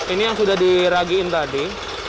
ini yang sudah diragiin tadi